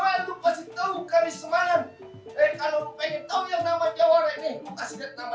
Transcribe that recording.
eh kalau lo pengen tau yang namanya warai nih pasti lihat namanya perumah